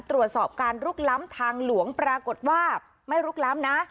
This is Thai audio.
ตรวจสอบการลุกล้ำทางหลวงปรากฏว่าไม่ลุกล้ำนะ